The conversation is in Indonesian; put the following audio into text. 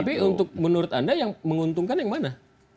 tapi untuk menurut anda yang menguntungkan yang mana